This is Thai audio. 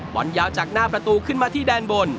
บอลยาวจากหน้าประตูขึ้นมาที่แดนบน